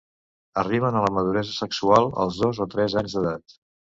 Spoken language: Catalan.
Arriben a la maduresa sexual als dos o tres anys d'edat.